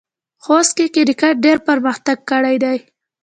خوست کې کرکټ ډېر پرمختګ کړی دی.